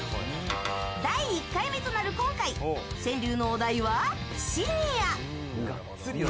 第１回目となる今回川柳のお題は、シニア。